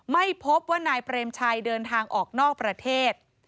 ไม่พบว่านายเปรมชัยเดินทางออกนอกประเทศ